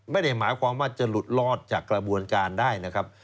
ไม่ได้หมายความว่าจะหลุดรอดจากกระบวนการได้นะครับ